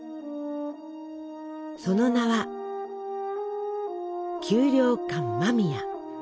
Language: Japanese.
その名は給糧艦間宮。